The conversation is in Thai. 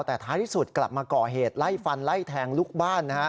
แต่ท้ายที่สุดกลับมาก่อเหตุไล่ฟันไล่แทงลูกบ้าน